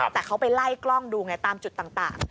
แต่เขาไปไล่กล้องดูไงตามจุดต่าง